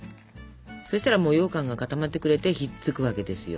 そしたらもうようかんが固まってくれてひっつくわけですよ。